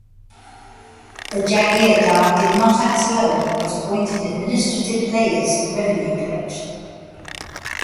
The "jagirdar" did not act alone, but appointed administrative layers for revenue collection.